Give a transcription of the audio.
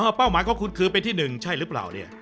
เป้าหมายของคุณคือเป็นที่หนึ่งใช่หรือเปล่าเนี่ย